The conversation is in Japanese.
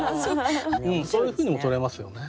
そういうふうにもとれますよね。